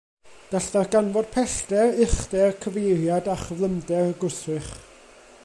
Gall ddarganfod pellter, uchder, cyfeiriad a chyflymder y gwrthrych.